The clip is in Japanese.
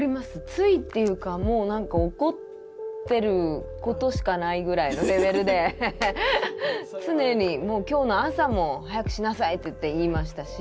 ついっていうかもう何か怒ってることしかないぐらいのレベルで常にもう今日の朝も「早くしなさい！」って言いましたし。